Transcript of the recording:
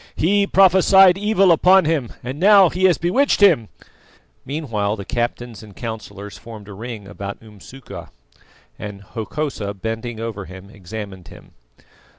He prophesied evil upon him, and now he has bewitched him!" Meanwhile the captains and councillors formed a ring about Umsuka, and Hokosa bending over him examined him.